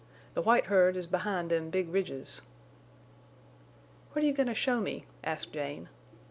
The white herd is behind them big ridges." "What are you going to show me?" asked Jane.